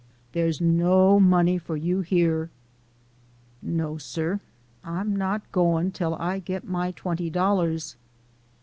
There's no money for you here." " No, sir. I'm not gwine till I git my twenty dollars."